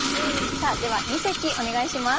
さあでは二席お願いします。